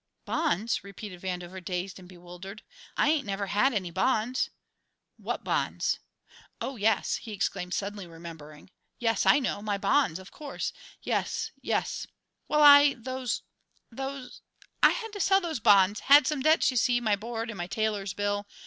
"Bonds?" repeated Vandover, dazed and bewildered. "I ain't never had any bonds. What bonds? Oh, yes," he exclaimed, suddenly remembering, "yes, I know, my bonds, of course; yes, yes well, I those those, I had to sell those bonds had some debts, you see, my board and my tailor's bill.